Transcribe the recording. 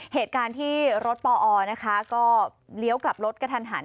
เหตุการณ์ที่รถปอนะคะก็เลี้ยวกลับรถกระทันหัน